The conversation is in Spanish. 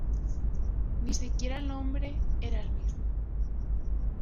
Ni siquiera el nombre era el mismo.